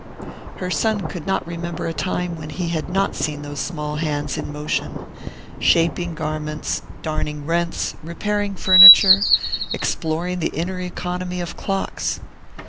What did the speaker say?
Her son could not remember a time when he had not seen those small hands in motion shaping garments, darning rents, repairing furniture, exploring the inner economy of clocks.